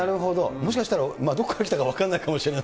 もしかしたらどこから来たか分からないかもしれない。